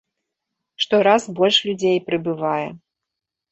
Штораз больш людзей прыбывае.